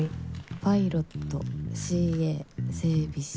「パイロットＣＡ整備士管制官」。